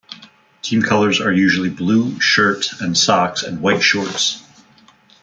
Team colours are usually blue shirt and socks, and white shorts.